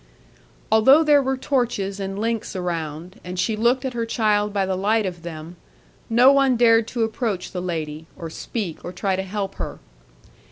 'Although there were torches and links around, and she looked at her child by the light of them, no one dared to approach the lady, or speak, or try to help her.